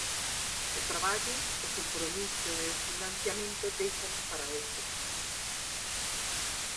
O traballo, o compromiso e o financiamento déixanos para outros.